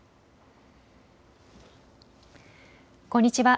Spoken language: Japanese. こんにちは。